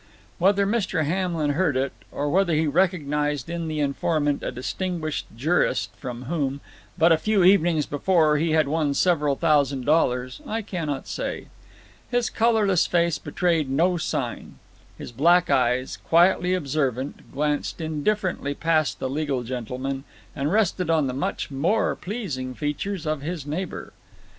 Whether Mr. Hamlin heard it, or whether he recognized in the informant a distinguished jurist from whom, but a few evenings before, he had won several thousand dollars, I cannot say. His colorless face betrayed no sign; his black eyes, quietly observant, glanced indifferently past the legal gentleman, and rested on the much more pleasing features of his neighbor.